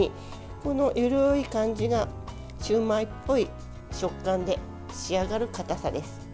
この緩い感じがシューマイっぽい食感で仕上がるかたさです。